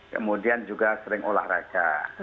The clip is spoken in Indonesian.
kemudian juga sering olahraga